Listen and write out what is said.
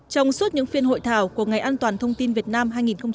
trong suốt những phiên hội thảo của ngày an toàn thông tin việt nam hai nghìn một mươi chín